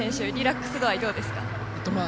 リラックス度合いどうですか？